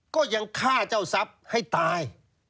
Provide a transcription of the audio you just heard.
ก็ยังฆ่าเจ้าทรัพย์ให้ตาย